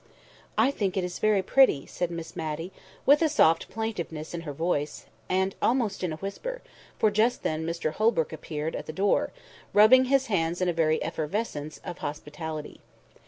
"I think it is very pretty," said Miss Matty, with a soft plaintiveness in her voice, and almost in a whisper, for just then Mr Holbrook appeared at the door, rubbing his hands in very effervescence of hospitality.